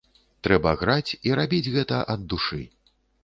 Трэба граць і рабіць гэта ад душы.